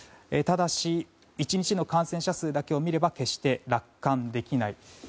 ただし、１日の感染者数だけを見れば決して楽観できない。